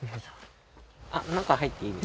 あっ中入っていいです。